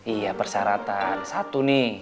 iya persyaratan satu nih